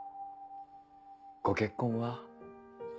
ご結婚は？